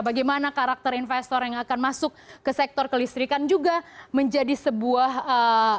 bagaimana karakter investor yang akan masuk ke sektor kelistrikan juga menjadi sebuah ee